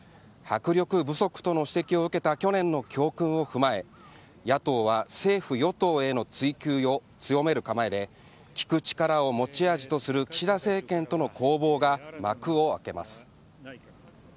迫力不足との指摘を受けた去年の教訓を踏まえ、野党は政府・与党への追及を強める構えで、聞く力を持ち味とする岸田政権との攻防が幕を開けます。